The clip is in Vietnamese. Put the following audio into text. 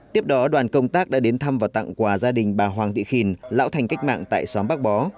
tiếp đó đoàn công tác đã đến thăm và tặng quà gia đình bà hoàng thị khin lão thành cách mạng tại xóm bắc bó